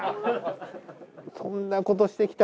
そんなことしてきた。